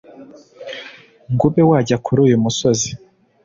ngo ube wajya kuri uyu musozi